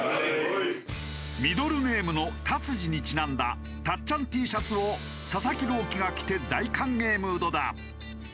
ミドルネームのタツジにちなんだたっちゃんＴシャツを佐々木朗希が着て大歓迎ムードだ。